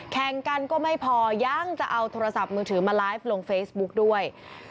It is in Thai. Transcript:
แข่งกันก็ไม่พอยังจะเอาโทรศัพท์มือถือมาไลฟ์ลงเฟซบุ๊กด้วย